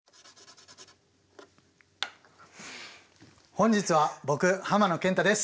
本日は僕浜野謙太です。